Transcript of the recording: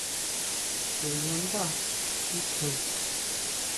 Chú nandá ji tjen.